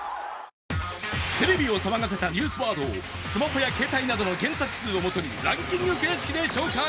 テレビを騒がせたニュースワードをスマホや携帯などの検索数を基にランキング形式で紹介。